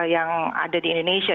yang ada di indonesia